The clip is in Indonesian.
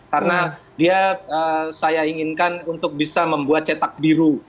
karena dia saya inginkan untuk bisa membuat cetak biru